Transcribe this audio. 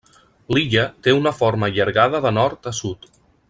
L'illa té una forma allargada de nord a sud.